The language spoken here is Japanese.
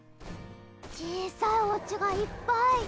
小さいおうちがいっぱい。